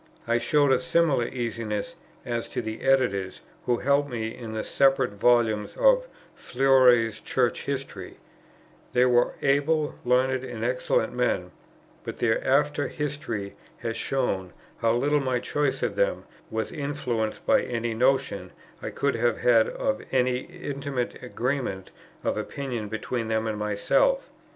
I showed a similar easiness as to the Editors who helped me in the separate volumes of Fleury's Church History; they were able, learned, and excellent men, but their after history has shown, how little my choice of them was influenced by any notion I could have had of any intimate agreement of opinion between them and myself.